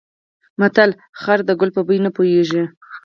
متل: خر د ګل په بوی نه پوهېږي.